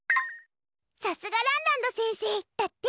さすがランランド先生だって。